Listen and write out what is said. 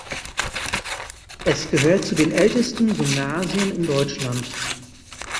Es gehört zu den ältesten Gymnasien in Deutschland.